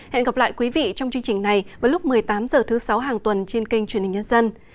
hẹn gặp lại quý vị trong chương trình này vào lúc một mươi tám h thứ sáu hàng tuần trên kênh truyền hình nhân dân